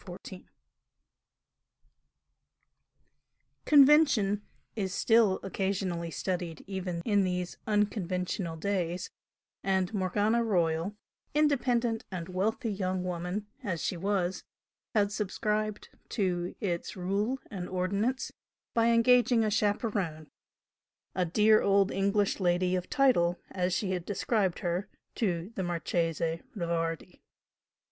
CHAPTER XIV Convention is still occasionally studied even in these unconventional days, and Morgana Royal, independent and wealthy young woman as she was, had subscribed to its rule and ordinance by engaging a chaperone, a "dear old English lady of title," as she had described her to the Marchese Rivardi.